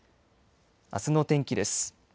あすの天気です。